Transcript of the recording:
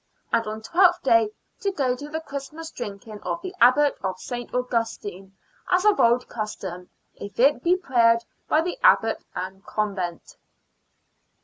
" And on Twelfth Day to go to the Christmas drinking of the Abbot of St. Augustine as of old custom, if it be prayed by the Abbot and Convent."